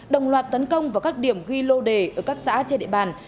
đồng loạt tấn công vào các điểm ghi lô đề ở các xã trên địa bàn